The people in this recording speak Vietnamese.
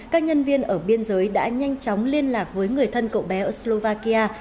các nhân viên ở biên giới đã nhanh chóng liên lạc với người thân cậu bé ở slovakia